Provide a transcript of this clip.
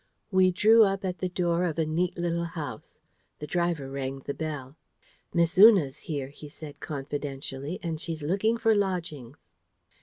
We drew up at the door of a neat little house. The driver rang the bell. "Miss Una's here," he said, confidentially; "and she's looking for lodgings."